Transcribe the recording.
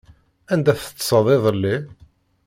Anda teṭṭseḍ iḍelli?